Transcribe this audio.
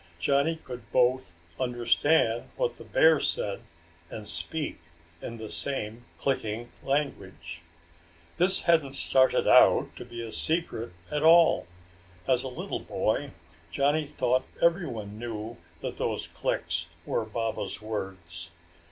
Johnny could both understand what the bear said and speak in the same clicking language. This hadn't started out to be a secret at all. As a little boy, Johnny thought everyone knew that those clicks were Baba's words.